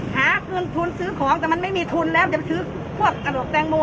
หาเงินทุนซื้อของแต่มันไม่มีทุนแล้วจะซื้อพวกกระโหลกแตงโม